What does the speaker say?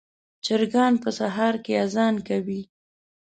چرګان په سهار کې اذان کوي.